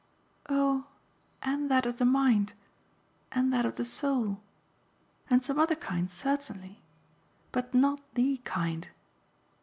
"Oh and that of the mind. And that of the soul. And some other kinds certainly. But not THE kind."